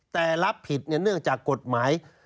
แต่รับผิดเนื่องจากกฎหมาย